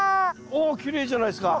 おきれいじゃないですか。